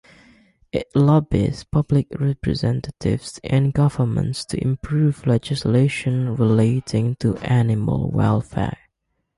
It lobbies public representatives and governments to improve legislation relating to animal welfare.